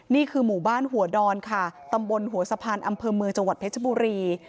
นี่คือหมู่บ้านหัวดอนค่ะตำบลหัวสะพานอำเภอเมืองจังหวัดเพชรบุรี